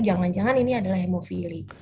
jangan jangan ini adalah hemofili